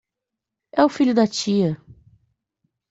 É o filho da tia